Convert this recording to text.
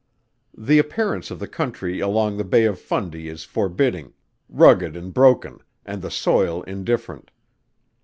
The appearance of the country along the Bay of Fundy is forbidding, rugged and broken, and the soil indifferent.